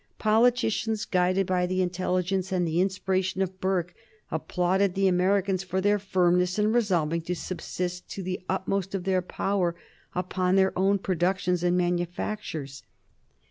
Politicians, guided by the intelligence and the inspiration of Burke, applauded the Americans for their firmness in resolving to subsist to the utmost of their power upon their own productions and manufactures.